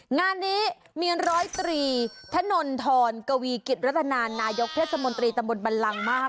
งานนี้มีร้อยตรีถนนทรกวีกิจรัฐนานนายกเทศมนตรีตำบลบันลังมาก